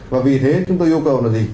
và vì thế chúng tôi yêu cầu là gì